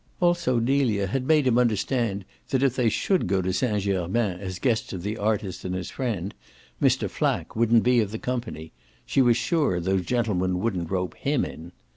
Also Delia had made him understand that if they should go to Saint Germain as guests of the artist and his friend Mr. Flack wouldn't be of the company: she was sure those gentlemen wouldn't rope HIM in.